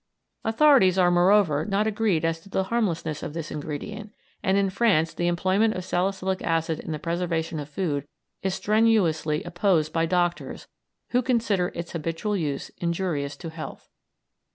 Authorities are, moreover, not agreed as to the harmlessness of this ingredient, and in France the employment of salicylic acid in the preservation of food is strenuously opposed by doctors, who consider its habitual use injurious to health.